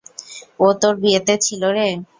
ও তোর বিয়েতে ছিলো রে!